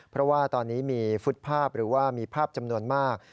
เพราะว่าตอนนี้มีฟุตภาพหรือว่ามีภาพจำนวนมาก